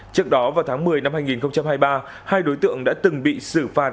trước đó vào tháng một mươi năm hai nghìn hai mươi ba hai đối tượng đã từng bị xử phạt